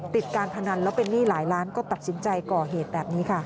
การพนันแล้วเป็นหนี้หลายล้านก็ตัดสินใจก่อเหตุแบบนี้ค่ะ